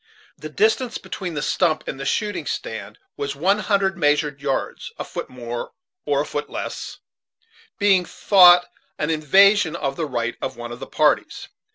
The distance between the stump and shooting stand was one hundred measured yards; a foot more or a foot less being thought an invasion of the right of one of the parties.